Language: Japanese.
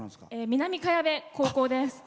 南茅部高校です。